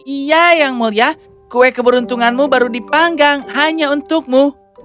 iya yang mulia kue keberuntunganmu baru dipanggang hanya untukmu